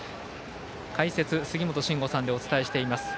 解説、杉本真吾さんでお伝えしています。